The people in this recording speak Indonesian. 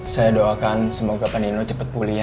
saya doakan semoga panino cepat pulih ya